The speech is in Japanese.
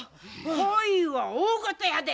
こいは大ごとやで！